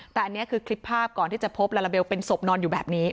แต่อันนี้คือคลิปภาพก่อนที่จะพบลาลาเบลเป็นศพนอนอยู่แบบนี้